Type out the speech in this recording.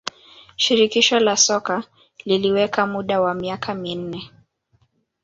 shirikisho la soka liliweka muda wa miaka minne